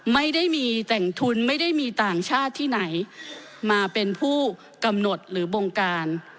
ไม่ได้มีแต่งทุนไม่ได้มีต่างชาติที่ไหนมาเป็นผู้กำหนดหรือบงการ